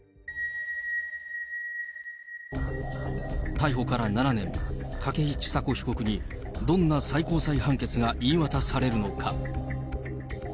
逮捕から７年、筧千佐子被告にどんな最高裁判決が言い渡されるのか。